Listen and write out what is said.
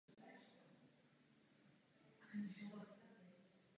Jejími představiteli byli zemědělci a chovatelé dobytka.